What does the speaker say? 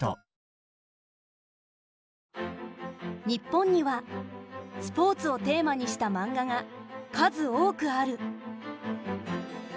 日本にはスポーツをテーマにしたマンガが数多くある。